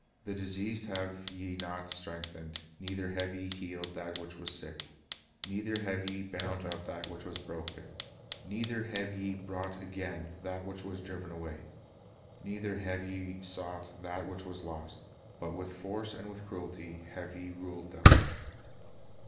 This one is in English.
The diseased have ye not strengthened, neither have ye healed that which was sick, neither have ye bound up that which was broken, neither have ye brought again that which was driven away, neither have ye • sought that which was lost; but with force and with cruelty have ye ruled them.""